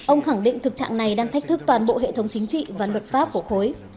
ông khẳng định thực trạng này đang thách thức toàn bộ hệ thống chính trị và luật pháp của khối